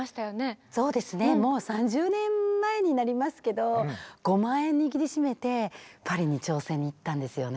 もう３０年前になりますけど５万円握りしめてパリに挑戦に行ったんですよね。